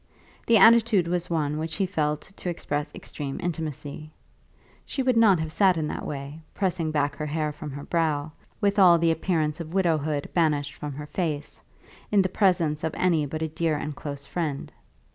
The attitude was one which he felt to express extreme intimacy. She would not have sat in that way, pressing back her hair from her brow, with all appearance of widowhood banished from her face, in the presence of any but a dear and close friend.